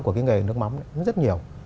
của cái nghề nước mắm rất nhiều